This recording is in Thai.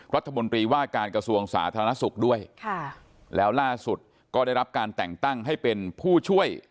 รัฐมนตรีว่าการกระทรวงสาธารณสุขด้วยค่ะแล้วล่าสุดก็ได้รับการแต่งตั้งให้เป็นผู้ช่วย